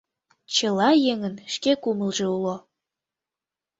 Чыла еҥын шке кумылжо уло.